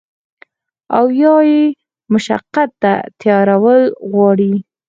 او يا ئې مشقت ته تيارول غواړي